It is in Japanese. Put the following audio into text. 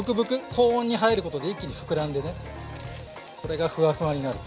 高温に入ることで一気に膨らんでねこれがフワフワになる。